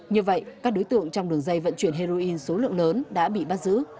như vậy các đối tượng trong đường dây vận chuyển heroin số lượng lớn đã bị bắt giữ